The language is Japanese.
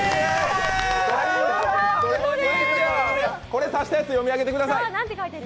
これさしたやつ読み上げてください。